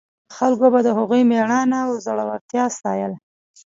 خلکو به د هغوی مېړانه او زړورتیا ستایله.